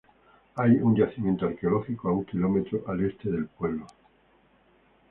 Hay un yacimiento arqueológico a un kilómetro al este del pueblo.